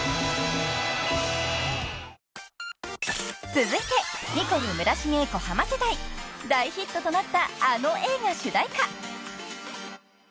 ［続いてニコル・村重・小浜世代］［大ヒットとなったあの映画主題歌］